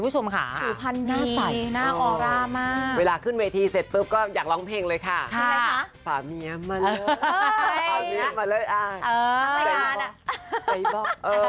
ใส่บอคเออ